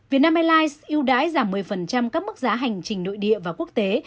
vietnam airlines ưu đãi giảm một mươi các mức giá hành trình nội địa và quốc tế